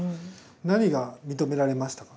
何が認められましたか？